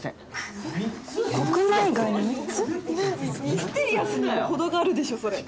ミステリアスにも程があるでしょそれ。